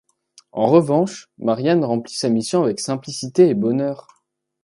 En revanche, Marianne remplit sa mission avec simplicité et bonheur.